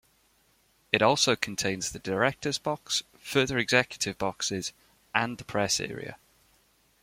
It also contains the directors' box, further executive boxes and the press area.